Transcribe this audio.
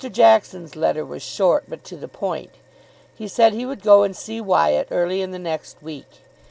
Jackson's letter was short, but to the point. He said he would go and see Wyatt early in the next week.